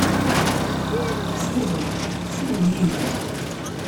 Ttxil-m, ssiwel yid-i.